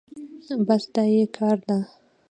بس دا يې کار ده.